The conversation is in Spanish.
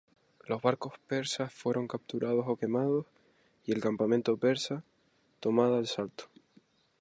Los barcos persas fueron capturados o quemados, y el campamento persa, tomada al asalto.